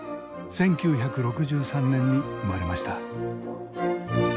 １９６３年に生まれました。